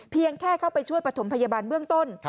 เพียงแค่เข้าไปช่วยประถมพยาบาลเบื้องต้น